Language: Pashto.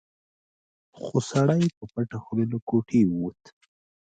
خو سړی په پټه خوله له کوټې ووت.